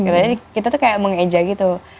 jadi kita tuh kayak mengeja gitu